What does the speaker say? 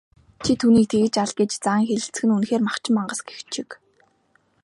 "Чи түүнийг тэгж ал" гэж заан хэлэлцэх нь үнэхээр махчин мангас гэгч шиг.